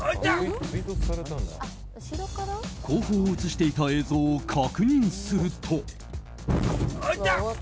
後方を映していた映像を確認すると。